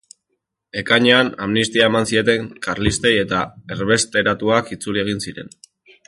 Ekainean, amnistia eman zieten karlistei, eta erbesteratuak itzuli egin ziren.